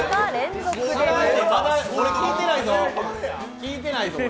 聞いてないぞ俺。